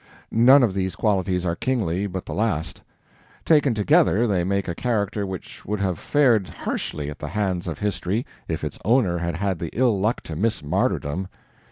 None of these qualities are kingly but the last. Taken together they make a character which would have fared harshly at the hands of history if its owner had had the ill luck to miss martyrdom.